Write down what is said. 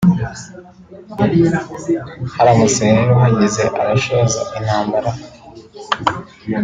Haramutse rero hagize abashoza intambara